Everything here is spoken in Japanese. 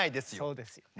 そうですよね。